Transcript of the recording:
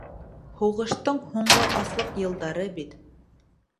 Һуғыштан һуңғы аслыҡ йылдары бит.